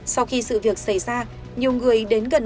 sau khi sự việc xảy ra nhiều người đến gần